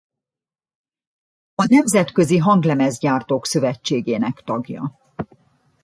A Nemzetközi Hanglemezgyártók Szövetségének tagja.